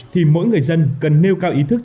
thì mỗi người dân cần nêu cao ý thức